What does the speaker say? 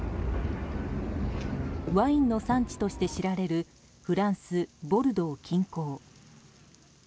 ワインの産地として知られるフランス・ボルドー近郊。